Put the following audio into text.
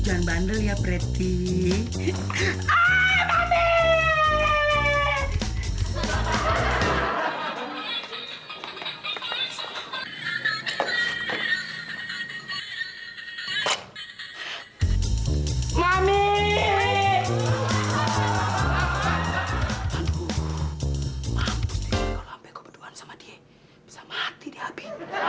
jangan bandel ya preti